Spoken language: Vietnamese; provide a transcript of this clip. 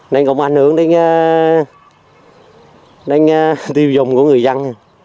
nên cũng ảnh hưởng đến tiêu dùng của người dân